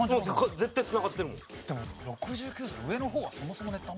絶対繋がってるもん。